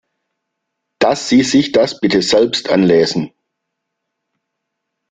Dass Sie sich das bitte selbst anlesen.